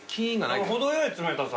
程よい冷たさ。